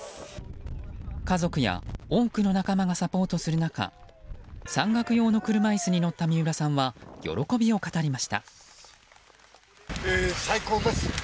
家族や多くの仲間がサポートする中山岳用の車椅子に乗った三浦さんは喜びを語りました。